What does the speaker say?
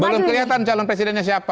belum kelihatan calon presidennya siapa